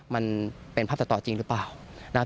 มันเป็นภาพตัดต่อจริงหรือเปล่า